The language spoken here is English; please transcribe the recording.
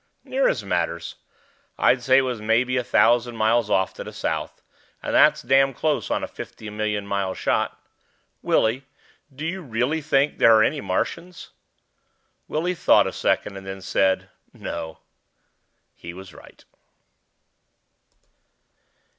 "Near as matters. I'd say it was maybe a thousand miles off, to the south. And that's damn close on a fifty million mile shot. Willie, do you really think there are any Martians?" Willie thought a second and then said, "No." He was right.